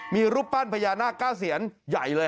มีรูปปั้นพญานาคเก้าเซียนใหญ่เลย